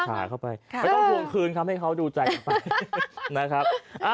เข้าไปไม่ต้องทวงคืนครับให้เขาดูใจกันไปนะครับ